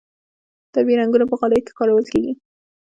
طبیعي رنګونه په غالیو کې کارول کیږي